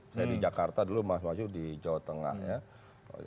saya di jakarta dulu mas wahyu di jawa tengah ya mas arief mas hasim itu angkatan saya